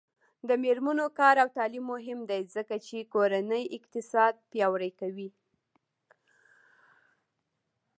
د میرمنو کار او تعلیم مهم دی ځکه چې کورنۍ اقتصاد پیاوړی کوي.